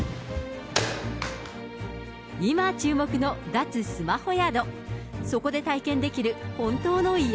今注目の脱スマホ宿。